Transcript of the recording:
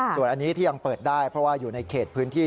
ส่วนอันนี้ที่ยังเปิดได้เพราะว่าอยู่ในเขตพื้นที่